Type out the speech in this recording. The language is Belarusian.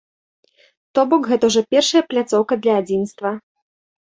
То бок, гэта ўжо першая пляцоўка для адзінства.